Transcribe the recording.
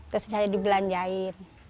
terus saya dibelanjain